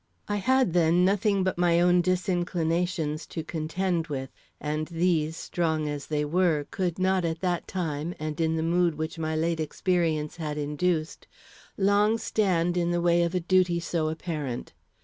I had, then, nothing but my own disinclinations to contend with, and these, strong as they were, could not, at that time, and in the mood which my late experience had induced, long stand in the way of a duty so apparent.